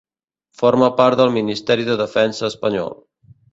Forma part del Ministeri de Defensa Espanyol.